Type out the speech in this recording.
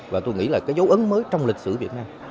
và tôi nghĩ là cái dấu ấn mới trong lịch sử việt nam